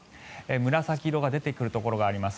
紫色が出てくるところがあります。